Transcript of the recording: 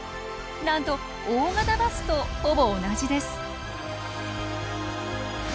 なんと大型バスとほぼ同じです。